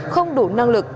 không đủ năng lực